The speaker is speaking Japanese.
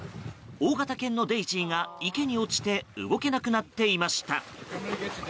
大型犬のデイジーが、池に落ちて動けなくなっていました。